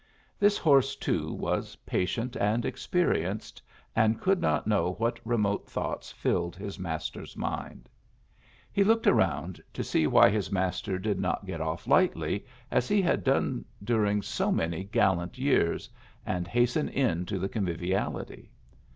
This horse, too, was patient and experienced, and could not know what remote thoughts filled his master's mind. He looked around to see why his master did not get off lightly, as he had done during so many gallant years, and hasten in to the conviviality.